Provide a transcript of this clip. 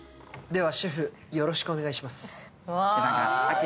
では、シェフ、よろしくお願いします。